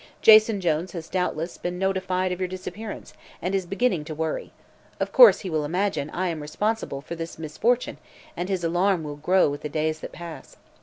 Jason Jones has doubtless been notified of your disappearance and is beginning to worry. Of course he will imagine I am responsible for this misfortune and his alarm will grow with the days that pass.